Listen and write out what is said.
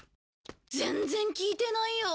全然効いてないよ。